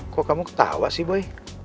kok kamu ketawa sih boy